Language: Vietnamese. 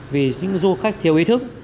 vì những du khách thiếu ý thức